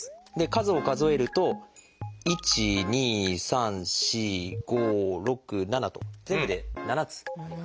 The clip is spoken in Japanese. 数を数えると１２３４５６７と全部で７つ。